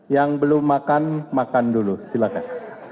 yang belum makan makan dulu silakan